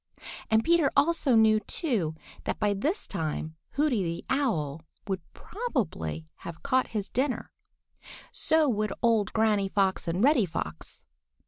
And Peter also knew too that by this time Hooty the Owl would probably have caught his dinner. So would old Granny Fox and Reddy Fox.